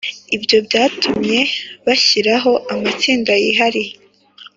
Ibyo byatumye bashyiraho amatsinda yihariye